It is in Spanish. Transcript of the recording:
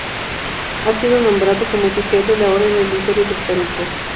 Ha sido nombrado como oficial de la Orden del Imperio Británico.